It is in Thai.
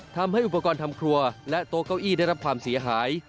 ทำให้อุปกรณ์ทำครัวและโต๊ะเก้าอี้ได้รับความเสียหาย